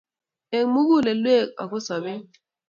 Eng mugulelwek ago sobet